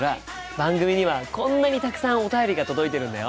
番組にはこんなにたくさんお便りが届いているんだよ。